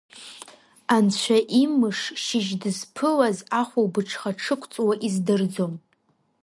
Анцәа имыш шьыжь дызԥылаз, ахәылбыҽха дшықәҵуа издырӡом.